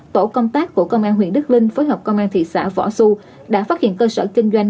tổ công tác của công an huyện đức linh phối hợp công an thị xã võ xu đã phát hiện cơ sở kinh doanh